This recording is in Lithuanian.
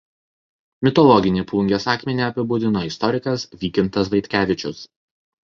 Mitologinį Plungės akmenį apibūdino istorikas Vykintas Vaitkevičius.